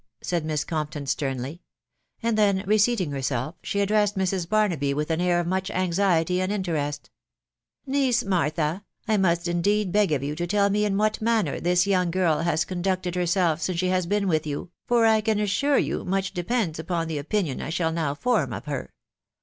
said Miss Compton sternly; and then, re seating herself, she addressed Mrs. Barnaby with an air of much anxiety and interest :" Niece Martha, I must indeed beg of you to tell me in what manner this young gid has conducted herself since she has been with you, for, I can assure you, much depends upon the opinion I shall now form of her.